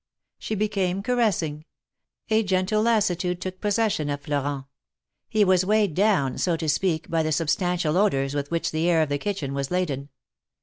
She became caressing ; a gentle lassitude took possession of Florent. He was weighed down, so to speak, by the substantial odors with which the air of the kitchen was laden.